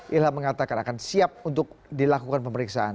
ilham mengatakan akan siap untuk dilakukan pemeriksaan